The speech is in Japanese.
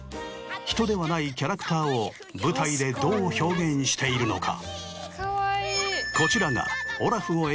人ではないキャラクターを舞台でどう表現しているのか？